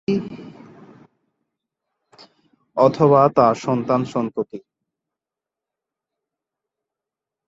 অথবা তার সন্তান-সন্ততি।